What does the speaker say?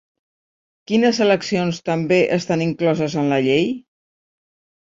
Quines eleccions també estan incloses en la llei?